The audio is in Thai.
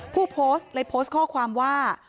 ผู้โพสต์เลยโพสต์ข้อความว่า